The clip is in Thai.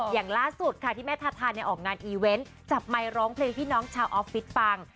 อย่างล่าสุดค่ะที่แม่ทาทาออกงานอีเวนต์จับไมค์ร้องเพลงพี่น้องชาวออฟฟิศฟัง